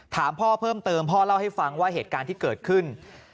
ถามพ่อเพิ่มเติมพ่อเล่าให้ฟังว่าเหตุการณ์ที่เกิดขึ้น